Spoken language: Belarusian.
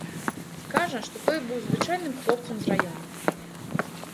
Кажа, што той быў звычайным хлопцам з раёна.